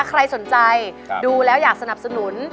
ใครสนใจดูแล้วอยากสนับสนุน